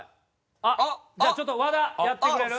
あっじゃあちょっと和田やってくれる？